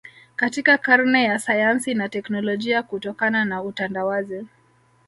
Katika karne ya sayansi na teknolojia kutokana na utandawazi